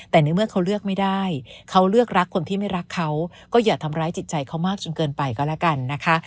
แต่ในเมื่อเขาเลือกไม่ได้เขาเลือกรักคนที่ไม่รักเขาก็อย่าทำร้ายจิตใจเขามากจนเกินไปก็แล้วกันนะคะ